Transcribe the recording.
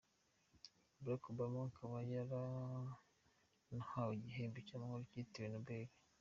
Barack Obama akaba yaranahawe igihembo cy’amahoro cyitiriwe Nobel.